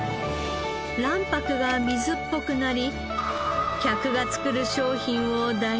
卵白が水っぽくなり客が作る商品を台なしにした事も。